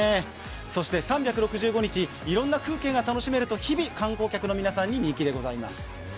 そして３６５日、いろんな風景が楽しめると、日々観光客の皆さんに人気でございます。